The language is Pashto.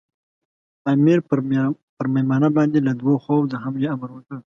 امیر پر مېمنه باندې له دوو خواوو د حملې امر وکړ.